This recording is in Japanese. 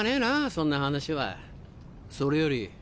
そんな話はそれより。